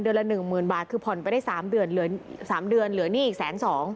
ละหนึ่งหมื่นบาทคือผ่อนไปได้๓เดือนเหลือ๓เดือนเหลือหนี้อีกแสนสอง